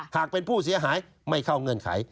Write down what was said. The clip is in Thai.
หากเป็นผู้เสียหายไม่เข้าเงื่อนไข